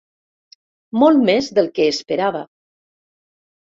Molt més del que esperava.